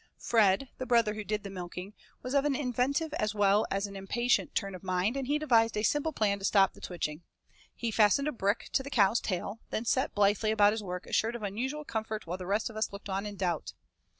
Fred, the brother who did the milking, was of an inventive as well as an impatient turn of mind, and he devised a simple plan to stop the switching. He fastened a brick to the cow's tail, then set blithely about his work assured of unusual comfort while the rest of us looked on in doubt.